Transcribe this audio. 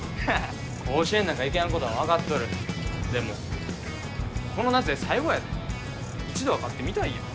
甲子園なんか行けやんことは分かっとるでもこの夏で最後やで一度は勝ってみたいやん